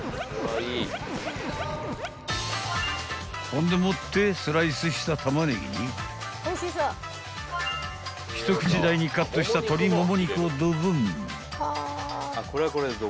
［ほんでもってスライスした玉ネギに一口大にカットした鶏もも肉をドボン］